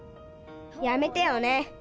やめてよね。